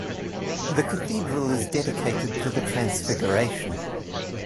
The cathedral is dedicated to the Transfiguration.